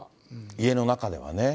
家の中ではね。